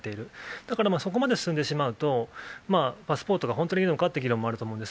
だからそこまで進んでしまうと、パスポートが本当にいいのかって議論もあると思うんです。